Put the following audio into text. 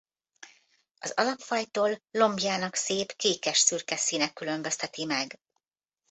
Az alapfajtól lombjának szép kékesszürke színe különbözteti meg.